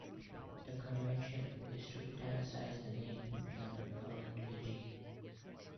The convention is to "italicise" the name when referring to the gene.